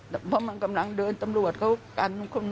แต่พอมันกำลังเดินตำรวจเขากันคนข้างนอกหมด